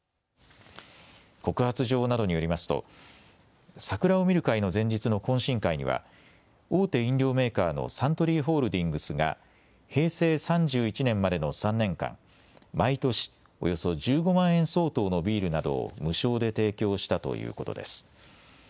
告発状などによりますと、桜を見る会の前日の懇親会には大手飲料メーカーのサントリーホールディングスが平成３１年までの３年間、毎年およそ１５万円相当のビールなどを無償で提供したということです。